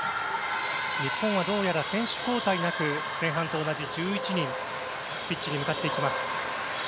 日本は、どうやら選手交代なく前半と同じ１１人がピッチに向かっていきます。